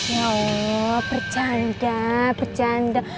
ya allah bercanda bercanda